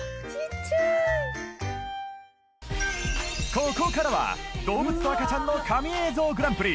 ここからは動物と赤ちゃんの神映像グランプリ